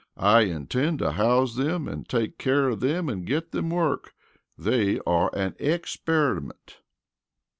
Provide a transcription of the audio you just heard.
"I intend to house them and take care of them and get them work. They are an experiment."